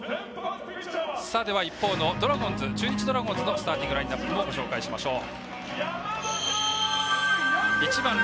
一方の中日ドラゴンズのスターティングラインナップご紹介しましょう。